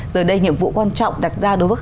giờ đây nhiệm vụ quan trọng đặt ra đối với